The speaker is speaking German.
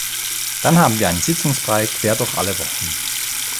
Dann haben wir einen Sitzungsbrei quer durch alle Wochen.